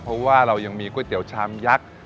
เพราะว่าเรายังมีก๋วยเตี๋ยวชามยักษ์